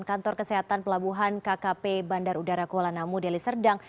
kantor kesehatan pelabuhan kkp bandar udara kuala namu deli serdang